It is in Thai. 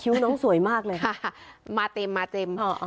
คิ้วน้องสวยมากเลยค่ะมาเต็มมาเต็มอ่าอ่า